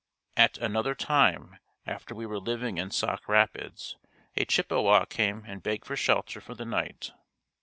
At another time after we were living in Sauk Rapids, a Chippewa came and begged for shelter for the night.